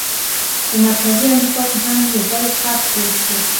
په مرکزي امریکا کې هم یو بل خط جوړ شو.